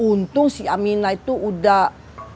untung si aminah itu udah